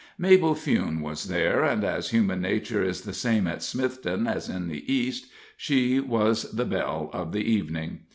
Mabel Fewne was there, and as human nature is the same at Smithton as in the East, she was the belle of the evening.